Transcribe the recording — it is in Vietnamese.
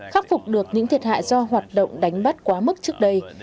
khắc phục được những thiệt hại do hoạt động đánh bắt quá mức trước đây